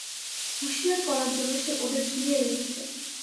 হুঁশিয়ার করার জন্য সে ওদের ঝুলিয়ে রেখেছে।